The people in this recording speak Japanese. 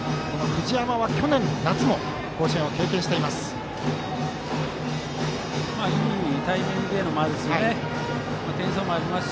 藤山は去年夏も甲子園を経験しています。